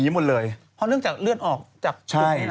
เพราะเรื่องเหลือออกจากลูกนี้นะ